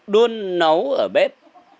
đuôn nấu ở bếp